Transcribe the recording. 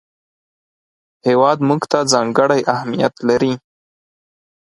هېواد موږ ته ځانګړی اهمیت لري